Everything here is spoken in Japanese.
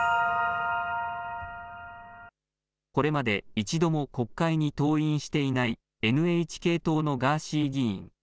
これまで一度も国会に登院していない、ＮＨＫ党のガーシー議員。